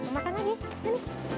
mau makan lagi sini